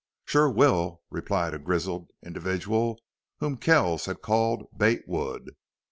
"Shore will," replied a grizzled individual whom Kells had called Bate Wood.